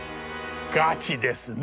ガチですね！